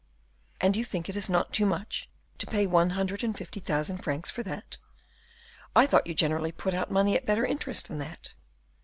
"And you think it is not too much to pay one hundred and fifty thousand francs for that? I thought you generally put out money at better interest than that."